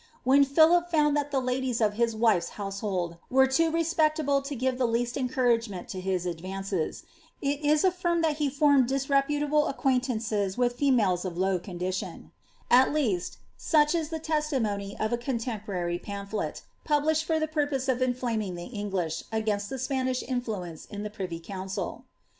When Philip found that the ladies of his wife's household were too respectable to give the least encouragement to his advances, it is affirmed that be formed disreputable acquaintances with females of low condition ; at least, such is the testimony of a contemporary pamphlet, published for the purpose of intlaming the English, agaioal the Spanish influence in the privy council.